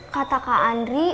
kata kak andri